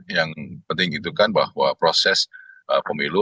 yang penting itu kan bahwa proses pemilu